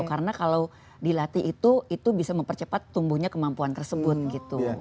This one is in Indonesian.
karena kalau dilatih itu itu bisa mempercepat tumbuhnya kemampuan tersebut gitu